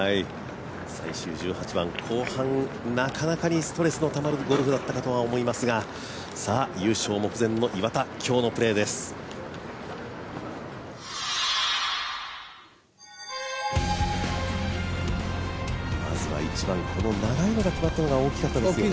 最終１８番、後半なかなかにストレスがたまるゴルフだったかと思いますが優勝目前の岩田、今日のプレーですまずは１番、これが決まったのがよかったですね。